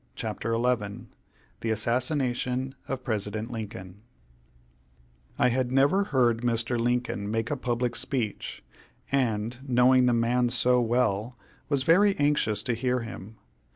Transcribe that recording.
CHAPTER XI THE ASSASSINATION OF PRESIDENT LINCOLN I had never heard Mr. Lincoln make a public speech, and, knowing the man so well, was very anxious to hear him.